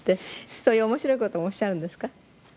そういう面白い事もおっしゃるんですか？